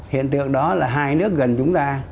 hiện tượng đó là hai nước gần chúng ta